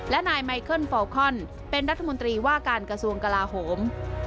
และนายไมเคิลฟอลคอนเป็นรัฐมนตรีว่าการกระทรวงกลาโหม